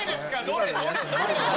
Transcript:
どれ？